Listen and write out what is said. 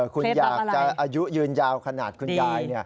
คุณอยากจะอายุยืนยาวขนาดคุณยาย